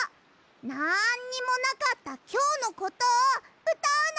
なんにもなかったきょうのことをうたうの！